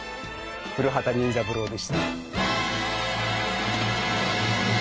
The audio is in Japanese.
古畑任三郎でした。